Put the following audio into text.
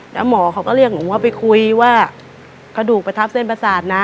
แล้วหมอเขาก็เรียกหนูว่าไปคุยว่ากระดูกประทับเส้นประสาทนะ